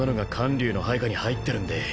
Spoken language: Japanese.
柳の配下に入ってるんでぇ。